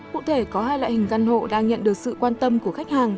cụ thể có hai loại hình căn hộ đang nhận được sự quan tâm của khách hàng